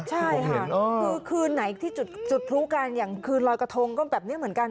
ใช่ค่ะคือคืนไหนที่จุดพลุกันอย่างคืนรอยกระทงก็แบบนี้เหมือนกัน